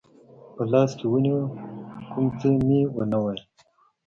په لاس کې ونیو، کوم څه مې و نه ویل.